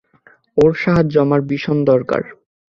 ওর সাহায্য আমার ভীষণ দরকার।